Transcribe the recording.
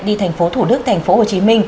đi thành phố thủ đức tp hcm